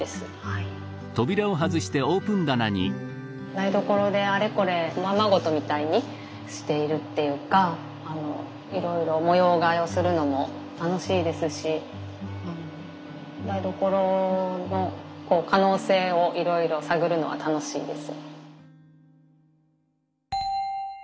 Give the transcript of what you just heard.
台所であれこれおままごとみたいにしているっていうかいろいろ模様替えをするのも楽しいですし台所の可能性をいろいろ探るのは楽しいです。